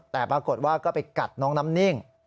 แต่ปรากฏว่าก็ไปกัดน้องน้ำนิ่ง